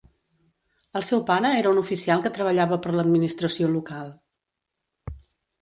El seu pare era un oficial que treballava per l'administració local.